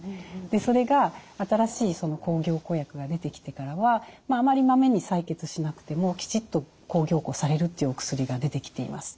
でそれが新しい抗凝固薬が出てきてからはあまりまめに採血しなくてもきちっと抗凝固されるというお薬が出てきています。